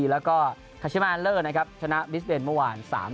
แล้วก็คาชิมาเลอร์นะครับชนะบิสเบนเมื่อวาน๓๐